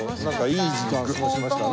いい時間過ごしましたね。